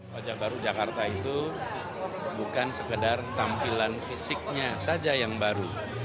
wajah baru jakarta itu bukan sekedar tampilan fisiknya saja yang baru